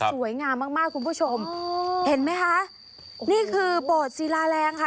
สวยงามมากมากคุณผู้ชมเห็นไหมคะนี่คือโบสถ์ศิลาแรงค่ะ